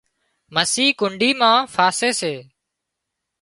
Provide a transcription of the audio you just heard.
مسي ڪنڍي مان ڦاسي سي